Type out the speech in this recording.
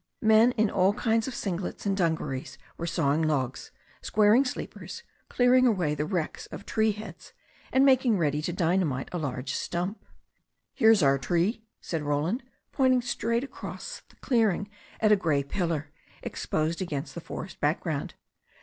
Men in all kinds of singlets and dungarees were sawing logs, squaring sleepers, clearing 56 THE STORY OF A NEW ZEALAND RIVER away the wrecks of tree heads, and making ready to dyna mite a large stump. "There's our tree," said Roland, pointing straight across the clearing at a grey pillar, exposed against the forest back ground.